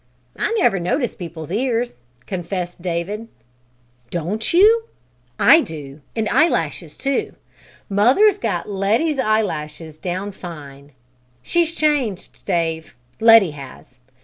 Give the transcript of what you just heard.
"I never notice people's ears," confessed David. "Don't you? I do, and eyelashes, too. Mother's got Letty's eyelashes down fine. She's changed, Dave, Letty has!